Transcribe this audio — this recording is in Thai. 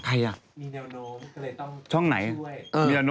ใครอ่ะ